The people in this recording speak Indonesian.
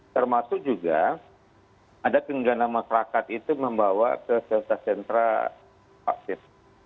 termasuk juga ada keinginan masyarakat itu membawa ke seltra sentra vaksin